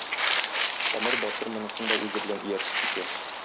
Камыр батыр монысын да үзе белән ияртеп китә.